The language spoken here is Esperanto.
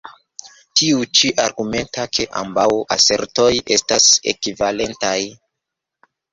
Tiu ĉi argumentas, ke ambaŭ asertoj estas ekvivalentaj.